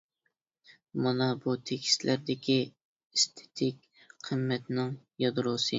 مانا بۇ تېكىستلەردىكى ئېستېتىك قىممەتنىڭ يادروسى.